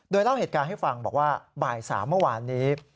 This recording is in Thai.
โดยเล่าเหตุการณ์ให้ฟังบอกว่าบ่าย๓เมื่อวานนี้